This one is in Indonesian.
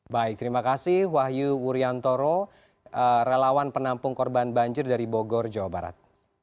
baik terima kasih wahyu wuryantoro relawan penampung korban banjir dari bogor jawa barat